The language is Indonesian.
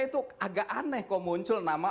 itu agak aneh kok muncul nama